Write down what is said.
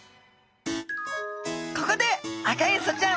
ここでアカエソちゃん